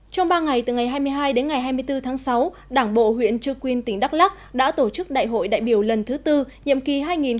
trong ba ngày từ ngày hai mươi hai đến ngày hai mươi bốn tháng sáu đảng bộ huyện trư quynh tỉnh đắk lắc đã tổ chức đại hội đại biểu lần thứ tư nhiệm kỳ hai nghìn hai mươi hai nghìn hai mươi năm